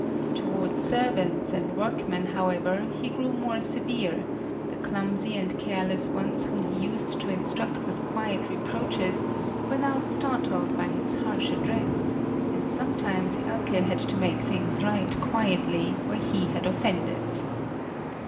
Toward servants and workmen, however, he grew more severe; the clumsy and careless ones whom he used to instruct with quiet reproaches were now startled by his harsh address, and sometimes Elke had to make things right quietly where he had offended.